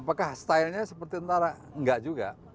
apakah stylenya seperti ntar nggak juga